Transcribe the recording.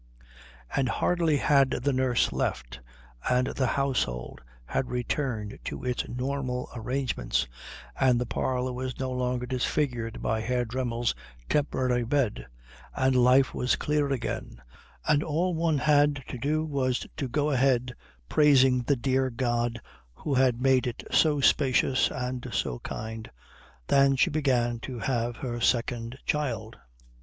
And hardly had the nurse left and the household had returned to its normal arrangements, and the parlour was no longer disfigured by Herr Dremmel's temporary bed, and life was clear again, and all one had to do was to go ahead praising the dear God who had made it so spacious and so kind, than she began to have her second child.